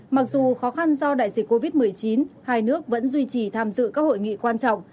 mặc dù khó khăn do đại dịch covid một mươi chín hai nước vẫn duy trì tham dự các hội nghị quan trọng